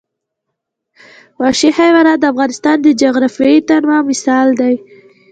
وحشي حیوانات د افغانستان د جغرافیوي تنوع مثال دی.